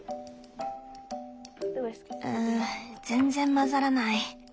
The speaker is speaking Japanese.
う全然混ざらない。